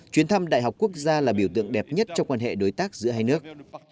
chuyến thăm đại học quốc gia là biểu tượng đẹp nhất trong quan hệ đối tác giữa hai nước